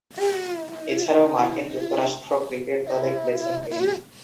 এছাড়াও মার্কিন যুক্তরাষ্ট্র ক্রিকেট দলে খেলেছেন তিনি।